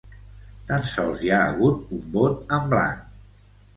Tan sols hi ha hagut un vot en blanc.